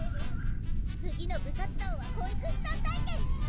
次の部活動は保育士さん体験！